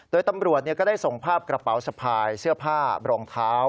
โดยตำรวจก็ได้ส่งภาพกระเป๋าสะพายเสื้อผ้ารองเท้า